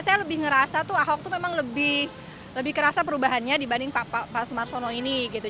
saya lebih ngerasa tuh ahok tuh memang lebih kerasa perubahannya dibanding pak sumarsono ini gitu